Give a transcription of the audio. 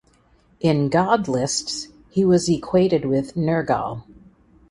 In god lists he was equated with Nergal.